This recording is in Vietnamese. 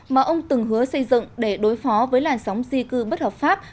mà ông từng hứa xây dựng để đối phó với làn sóng di cư bất hợp pháp